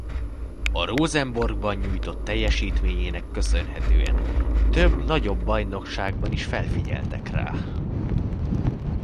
A Rosenborgban nyújtott teljesítményének köszönhetően több nagyobb bajnokságban is felfigyeltek rá.